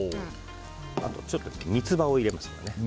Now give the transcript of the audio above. あと、ちょっと三つ葉を入れます。